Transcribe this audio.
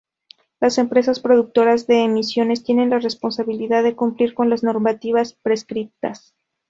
Las empresas productoras de emisiones tienen la responsabilidad de cumplir con las normativas prescritas.